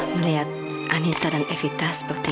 melihat anissa dan evita seperti ini